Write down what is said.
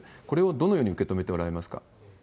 これをどのように受け止めておられますか？